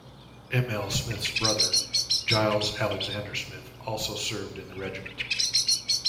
M. L. Smith's brother, Giles Alexander Smith, also served in the regiment.